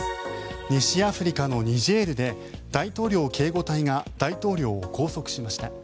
西アフリカのニジェールで大統領警護隊が大統領を拘束しました。